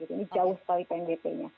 ini jauh sekali tnbp